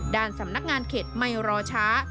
สำนักงานเขตไม่รอช้า